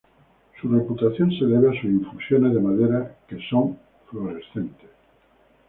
Su reputación se debe a sus infusiones de madera, que son fluorescentes.